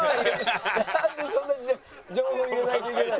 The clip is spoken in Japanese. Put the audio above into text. なんでそんな情報入れないといけないの？